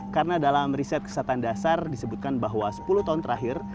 karena dalam riset kesatuan dasar disebutkan bahwa sepuluh tahun terakhir